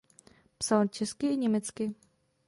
Psal česky i německy.